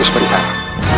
ular dumung raja